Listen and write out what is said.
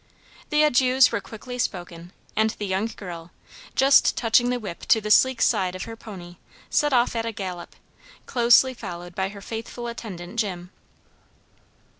The adieus were quickly spoken and the young girl, just touching the whip to the sleek side of her pony, set off at a gallop, closely followed by her faithful attendant Jim.